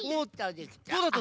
どうだった？